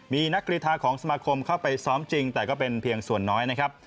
มีนักกรีธาของสมาคมเข้าไปซ้อมจริงแต่ก็เป็นเพียงส่วนน้อยนะครับ